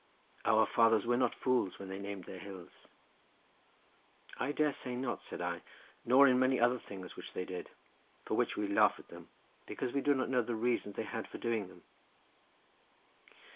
Our fathers were not fools when they named their hills." "I dare say not," said I, "nor in many other things which they did, for which we laugh at them, because we do not know the reasons they had for doing them."